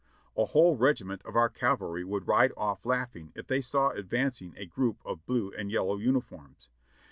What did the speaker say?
A whole regi ment of our cavalry would ride off laughing if they saw advancing a group of blue and yellow uniforms.